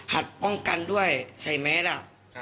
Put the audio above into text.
หัดป้องกันด้วยใส่แมสอ่ะ